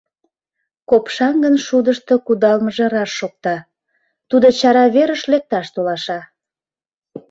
Копшаҥгын шудышто кудалмыже раш шокта; тудо чара верыш лекташ толаша.